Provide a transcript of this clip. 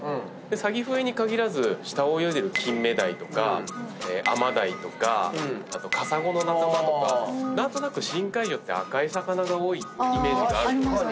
サギフエに限らず下を泳いでるキンメダイとかアマダイとかあとカサゴの仲間とか何となく深海魚って赤い魚が多いイメージがあると。